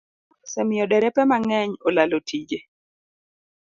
Mano osemiyo derepe mang'eny olalo tije